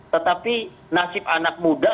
tetapi nasib anak muda